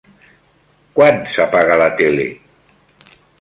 Quan s'apaga la tele?